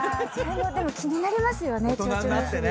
でも気になりますよね。